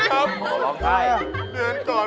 เขาอยากเล่นอะไรที่สูง